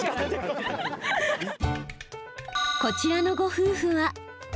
こちらのご夫婦は。